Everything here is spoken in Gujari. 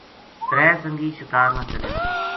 ترے سنگی شِکار نا چلیں تھا